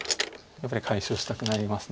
やっぱり解消したくなります